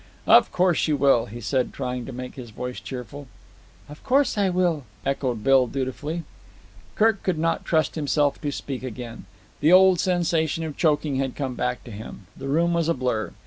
"Of course you will," he said, trying to make his voice cheerful. "Of course I will," echoed Bill dutifully. Kirk could not trust himself to speak again. The old sensation of choking had come back to him. The room was a blur.